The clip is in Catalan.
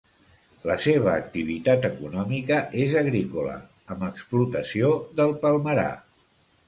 La seva activitat econòmica és agrícola, amb explotació del palmerar.